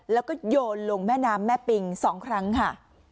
แล้วก็โยนลงแม่น้ำแม่ปิง๒ครั้งค่ะ